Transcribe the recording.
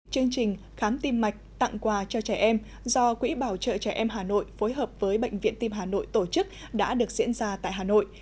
chương trình khám tim mạch tặng quà cho trẻ em do quỹ bảo trợ trẻ em hà nội phối hợp với bệnh viện tim hà nội tổ chức đã được diễn ra tại hà nội